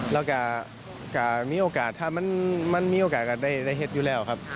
แล้วก็มีโอกาสถ้ามันมีโอกาสก็ได้เห็นอยู่แล้วครับ